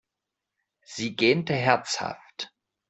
Sie gähnte herzhaft.